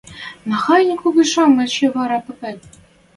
– Махань кугижӓм эче вара попет?!